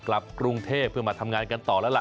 กลับกรุงเทพเพื่อมาทำงานกันต่อแล้วล่ะ